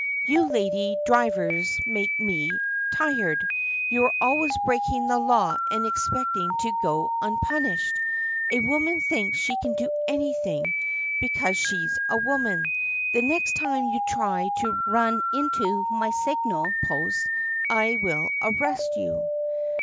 "You lady drivers make me tired. You are always breaking the law and expecting to go unpunished. A woman thinks she can do anything because she 's a woman. The next time you try to run into my signal post I will arrest you."